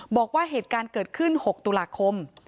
บอกว่าเหตุการณ์เกิดขึ้น๖ตุลาคม